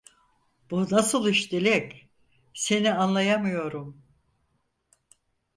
Bu nasıl iş Dilek, seni anlayamıyorum…